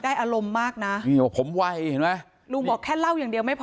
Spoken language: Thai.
อารมณ์มากนะนี่บอกผมไวเห็นไหมลุงบอกแค่เล่าอย่างเดียวไม่พอ